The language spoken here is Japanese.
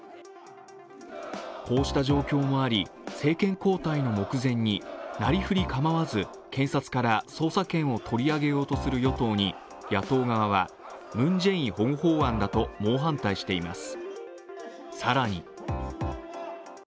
こうした状況もあり、政権交代の目前になりふり構わず検察から捜査権を取り上げようとする与党に野党側は、ムン・ジェイン保護法案だと猛反対しています。